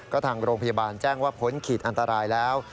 ก็ทางโรงพยาบาลแจ้งว่าพ้นขีดอันตรายแล้ว